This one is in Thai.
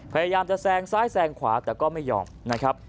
พยายามจะแซงซ้ายแซงขวาแต่ก็ไม่ยอมนะครับ